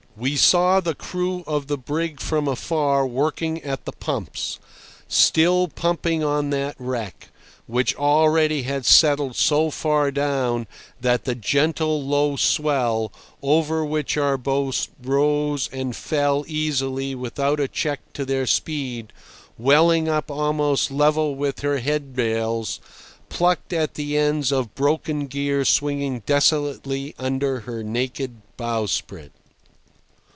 We saw the crew of the brig from afar working at the pumps—still pumping on that wreck, which already had settled so far down that the gentle, low swell, over which our boats rose and fell easily without a check to their speed, welling up almost level with her head rails, plucked at the ends of broken gear swinging desolately under her naked bowsprit.